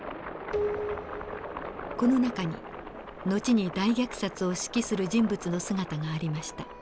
この中に後に大虐殺を指揮する人物の姿がありました。